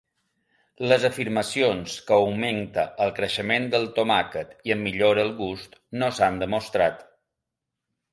Les afirmacions que augmenta el creixement del tomàquet i en millora el gust no s'han demostrat.